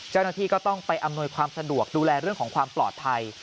เจ้าหน้าที่ก็ต้องไปอำนวยความสะดวกดูแลเรื่องของความปลอดภัย